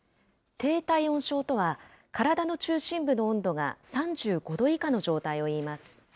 低体温症とは体の中心部の温度が３５度以下の状態をいいます。